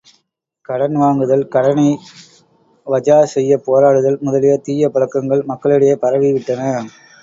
கடன் வாங்குதல், கடனை வஜா செய்யப் போராடுதல் முதலிய தீய பழக்கங்கள் மக்களிடையே பரவிவிட்டன!